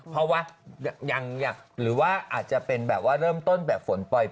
เพราะว่าหรือว่าอาจจะเป็นแบบว่าเริ่มต้นแบบฝนปล่อย